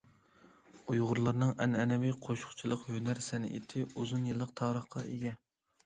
ئۇيغۇرلارنىڭ ئەنئەنىۋى قوشۇقچىلىق ھۈنەر- سەنئىتى ئۇزۇن يىللىق تارىخقا ئىگە.